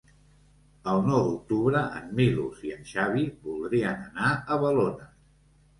El nou d'octubre en Milos i en Xavi voldrien anar a Balones.